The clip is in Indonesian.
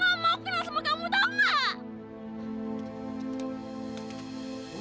aku gak mau kenal sama kamu tau gak